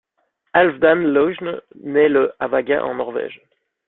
Halvdan Ljosne naît le à Vaga en Norvège.